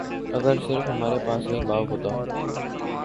اگر صرف ہمارے پاس ایک باغ ہوتا